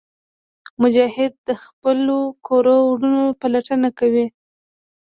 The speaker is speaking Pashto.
مجاهد د خپلو ورکو وروڼو پلټنه کوي.